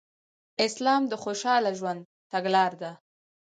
اسلام د خوشحاله ژوند تګلاره ده